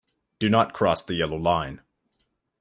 Do not cross the yellow line.